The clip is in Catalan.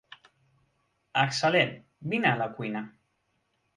Excel·lent, vine a la cuina.